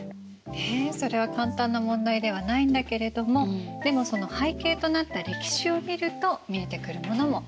ねえそれは簡単な問題ではないんだけれどもでもその背景となった歴史を見ると見えてくるものもあるよね。